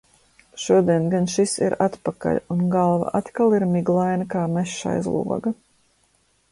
Šodien gan šis ir atpakaļ, un galva atkal ir miglaina kā mežs aiz loga.